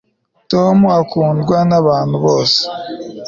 tom akundwa nabantu bose